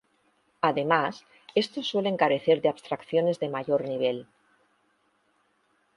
Además estos suelen carecer de abstracciones de mayor nivel.